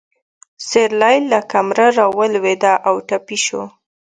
سېرلی له کمره راولوېده او ټپي شو.